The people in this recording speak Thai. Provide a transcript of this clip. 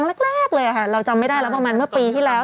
แรกเลยค่ะเราจำไม่ได้แล้วประมาณเมื่อปีที่แล้ว